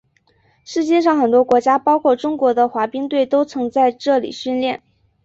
世界上很多国家包括中国的滑冰队都曾在这里训练。